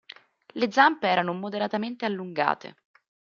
Le zampe erano moderatamente allungate.